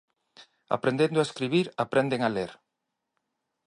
Aprendendo a escribir aprenden a ler.